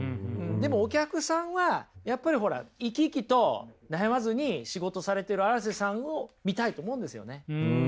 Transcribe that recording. でもお客さんはやっぱりほら生き生きと悩まずに仕事されてる荒瀬さんを見たいと思うんですよね。